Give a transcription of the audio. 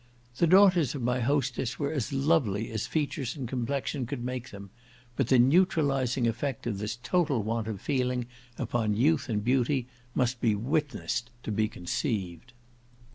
The daughters of my hostess were as lovely as features and complexion could make them; but the neutralizing effect of this total want of feeling upon youth and beauty, must be witnessed, to be conceived.